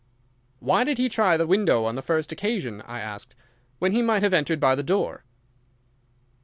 "Why did he try the window on the first occasion," I asked, "when he might have entered by the door?"